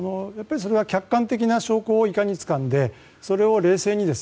それは客観的な証拠をいかに、つかんでそれを冷静に。